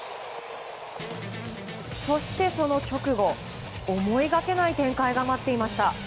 そして、その直後、思いがけない展開が待っていました。